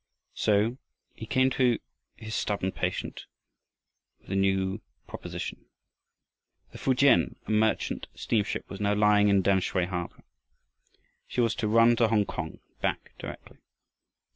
So he came to his stubborn patient with a new proposition. The Fukien, a merchant steamship, was now lying in Tamsui harbor. She was to run to Hongkong and back directly.